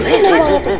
itu memang gitu